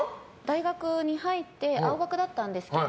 大学に入って青学だったんですけど。